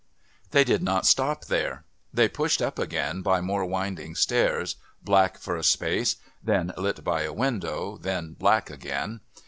They did not stop there. They pushed up again by more winding stairs, black for a space, then lit by a window, then black again.